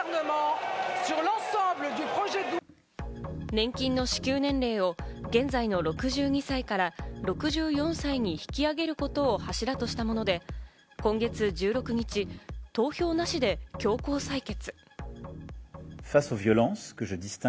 年金の支給年齢を現在の６２歳から６４歳に引き上げることを柱としたもので、今月１６日、投票なしで強行採決。